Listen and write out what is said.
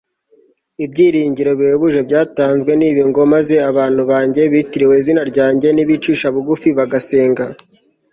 ibyiringiro bihebuje byatanzwe ni ibi ngo maze abantu banjye bitiriwe izina ryanjye nibicisha bugufi bagasenga